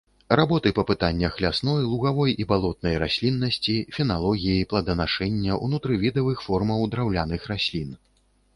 Работы па пытаннях лясной, лугавой і балотнай расліннасці, феналогіі, плоданашэння, унутрывідавых формаў драўняных раслін.